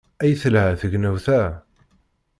Ay telha tegnawt-a!